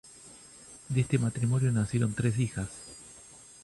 De este matrimonio nacieron tres hijas.